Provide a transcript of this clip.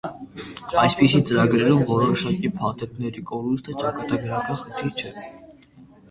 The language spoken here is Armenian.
Այսպիսի ծրագրերում որոշակի փաթեթների կորուստը ճակատագրական խնդիր չէ։